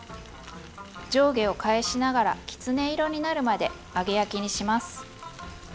上下を返しながらきつね色になるまで揚げ焼きにします。